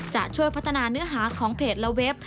จะช่วยพัฒนาเนื้อหาของเพจและเว็บ